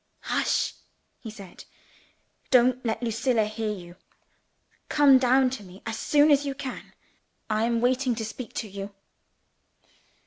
"Hush!" he said. "Don't let Lucilla hear you. Come down to me as soon as you can. I am waiting to speak to you."